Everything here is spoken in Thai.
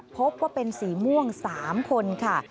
พบว่าเป็นสีม่วง๓คนค่ะ